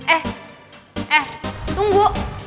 eh eh tunggu